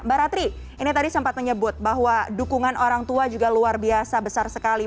mbak ratri ini tadi sempat menyebut bahwa dukungan orang tua juga luar biasa besar sekali